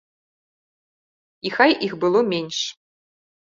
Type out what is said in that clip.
І хай іх было менш.